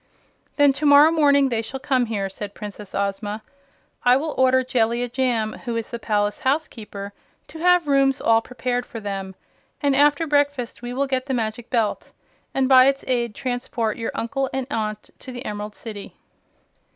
"Then to morrow morning they shall come here," said Princess Ozma. "I will order Jellia Jamb, who is the palace housekeeper, to have rooms all prepared for them, and after breakfast we will get the Magic Belt and by its aid transport your uncle and aunt to the Emerald City."